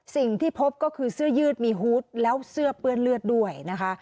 สิ่งที่พบก็คือเสื้อยืดมีฮูตแล้วเสื้อเปื้อนเลือดด้วยนะคะ